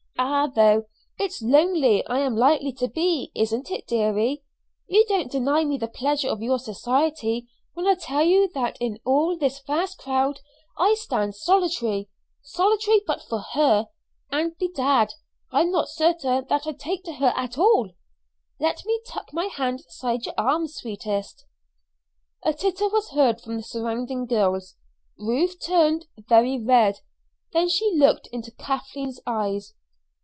Ah, though! it's lonely I'm likely to be, isn't it, deary? You don't deny me the pleasure of your society when I tell you that in all this vast crowd I stand solitary solitary but for her; and, bedad! I'm not certain that I take to her at all. Let me tuck my hand inside your arm, sweetest." A titter was heard from the surrounding girls. Ruth turned very red, then she looked into Kathleen's eyes.